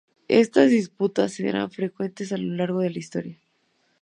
Estas disputas serán frecuentes a lo largo de la historia.